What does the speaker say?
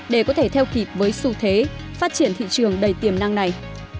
để có thể theo kịp với xu thế phát triển thị trường đầy tiềm năng này